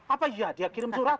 apa iya dia kirim surat